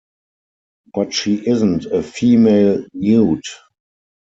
But she isn't a female newt.